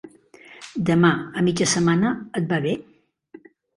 Demà a mitja setmana, et va bé?